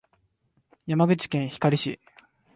山口県光市